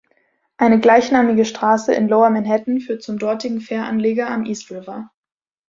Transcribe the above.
Eine gleichnamige Straße in Lower Manhattan führt zum dortigen Fähranleger am East River.